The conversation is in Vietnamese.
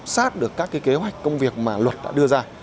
xác được các kế hoạch công việc mà luật đã đưa ra